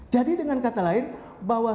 jadi dengan kata lain bahwa